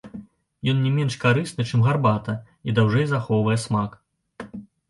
Ён не менш карысны, чым гарбата, і даўжэй захоўвае смак!